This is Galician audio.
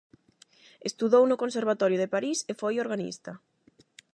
Estudou no Conservatorio de París e foi organista.